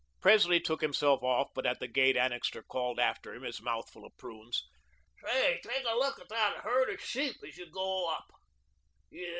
Presley took himself off, but at the gate Annixter called after him, his mouth full of prunes, "Say, take a look at that herd of sheep as you go up.